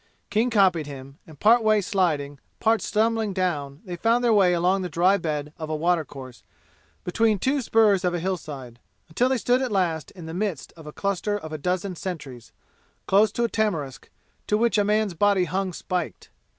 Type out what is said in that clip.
King copied him, and part way sliding, part stumbling down they found their way along the dry bed of a water course between two spurs of a hillside, until they stood at last in the midst of a cluster of a dozen sentries, close to a tamarisk to which a man's body hung spiked.